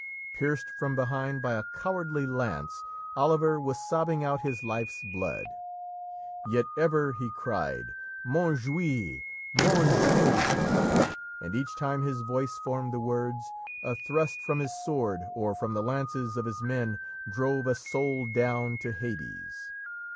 Pierced from behind by a cowardly lance, Oliver was sobbing out his life's blood. Yet ever he cried, "Montjoie! Montjoie!" and each time his voice formed the words, a thrust from his sword, or from the lances of his men, drove a soul down to Hades.